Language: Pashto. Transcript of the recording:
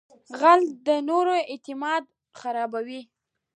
غل تل د نورو اعتماد خرابوي